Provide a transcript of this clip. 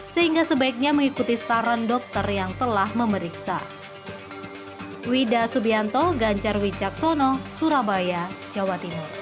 sehingga sebaiknya mengikuti saran dokter yang telah memeriksa